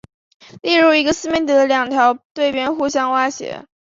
例如一个四面体的两条对边互相歪斜。